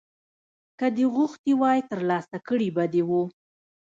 که دې غوښتي وای ترلاسه کړي به دې وو